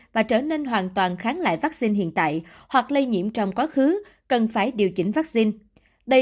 và trở nên hoàn toàn kháng lại vaccine hiện tại hoặc lây nhiễm trong quá khứ cần phải điều chỉnh vaccine